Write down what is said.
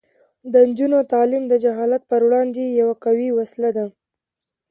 د نجونو تعلیم د جهالت پر وړاندې یوه قوي وسله ده.